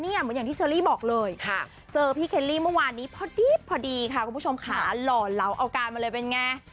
เหมือนอย่างที่ชัลลี่บอกเลยเจอพี่เคลี่หลอนเราเอาการมันเลยเป็นไง